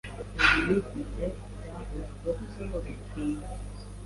ibiyigize byahujwe uko bikwiye,